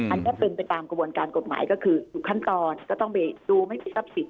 อันนี้ก็เป็นไปตามกระบวนการกฎหมายก็คืออยู่ขั้นตอนก็ต้องไปดูไม่มีทรัพย์สิน